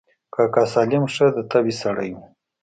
کاکا سالم ښه د طبعې سړى و.